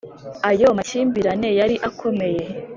ayo makimbirane yari akomeye